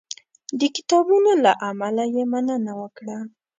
د کتابونو له امله یې مننه وکړه.